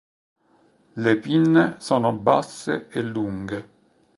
Le pinne sono basse e lunghe.